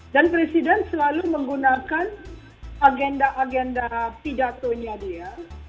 dan presiden selalu menggunakan agenda agenda pidatonya dia